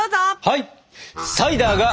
はい！